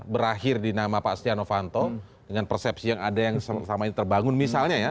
berakhir di nama pak setia novanto dengan persepsi yang ada yang selama ini terbangun misalnya ya